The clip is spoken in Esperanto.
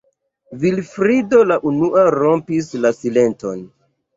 Vilfrido la unua rompis la silenton.